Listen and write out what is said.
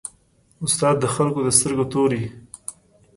استاد د خلکو د سترګو تور وي.